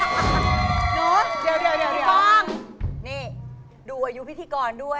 รู้จักรู้จัก